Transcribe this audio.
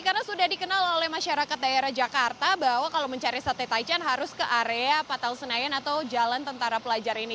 karena sudah dikenal oleh masyarakat daerah jakarta bahwa kalau mencari sate taichan harus ke area patal senayan atau jalan tentara pelajar ini